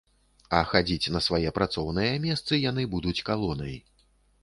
А хадзіць на свае працоўныя месцы яны будуць калонай.